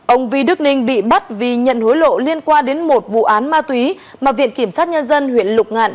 ông vi đức ninh bị bắt vì nhận hối lộ liên quan đến một vụ án ma túy mà viện kiểm sát nhân dân huyện lục ngạn